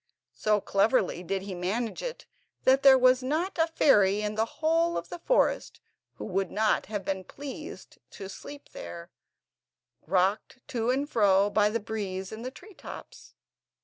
So cleverly did he manage it that there was not a fairy in the whole of the forest who would not have been pleased to sleep there, rocked to and fro by the breeze on the treetops.